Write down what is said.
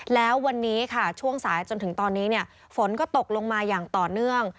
แล้ววันนี้ค่ะช่วงสายจนถึงตอนนี้ฝนก็ตกลงมาอย่างต่อเนื่อง